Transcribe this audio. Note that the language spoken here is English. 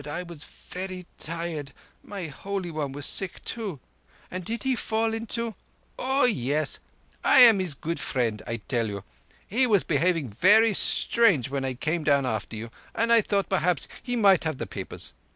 I was very tired. My Holy One was sick, too. And did he fall into—" "Oah yess. I am his good friend, I tell you. He was behaving very strange when I came down after you, and I thought perhaps he might have the papers.